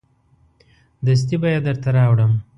دستي به یې درته راوړم.